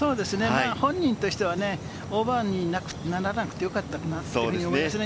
本人としてはね、５番にならなくてよかったなと思いますね。